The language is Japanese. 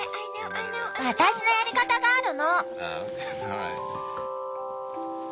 私のやり方があるの。